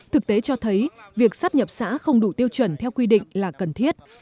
thực tế cho thấy việc sắp nhập xã không đủ tiêu chuẩn theo quy định là cần thiết